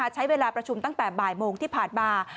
ใช้เวลาประชุมตั้งแต่บ่ายโมงที่ผ่านมา